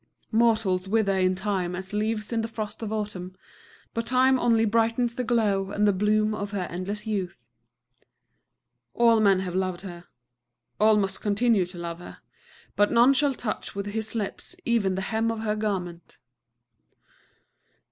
Mortals wither in Time as leaves in the frost of autumn; but Time only brightens the glow and the bloom of her endless youth. All men have loved her; all must continue to love her. But none shall touch with his lips even the hem of her garment.